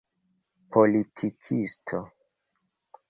politikisto